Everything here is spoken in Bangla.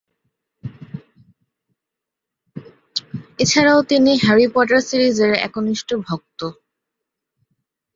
এছাড়াও, তিনি হ্যারি পটার সিরিজের একনিষ্ঠ ভক্ত।